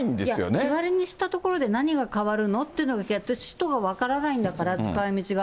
日割りにしたところで、何が変わるの？っていうのが、使途が分からないんだから、使いみちが。